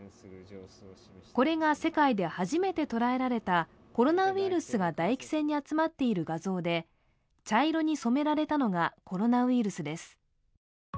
これが世界で初めて捉えられたコロナウイルスが唾液腺に集まっている画像で、茶色に染められたのがコロナウイルスです。